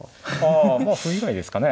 あまあ歩以外ですかね。